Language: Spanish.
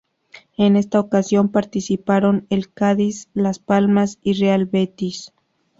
En esta ocasión participaron el Cádiz, Las Palmas y Real Betis.